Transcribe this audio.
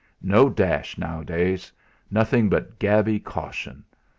No dash nowadays; nothing but gabby caution!